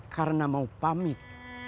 karena mau pamit